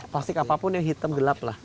plastik apapun yang hitam gelap lah